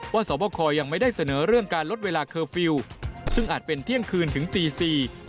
สอบคอยังไม่ได้เสนอเรื่องการลดเวลาเคอร์ฟิลล์ซึ่งอาจเป็นเที่ยงคืนถึงตีสี่